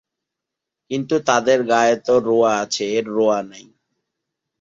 কিন্তু তাদের গায়ে তো রোঁয়া আছে–এর রোঁয়া নাই।